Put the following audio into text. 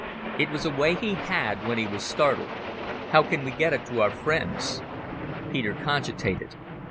It was a way he had when he was startled. "How can we get it to our friends?" Peter cogitated.